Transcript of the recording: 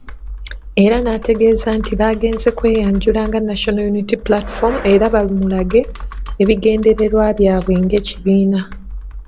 Era n'ategeeza nti bagenze kweyanjula nga National Unity Platform era bamulage ebigendererwa byabwe nga ekibiina.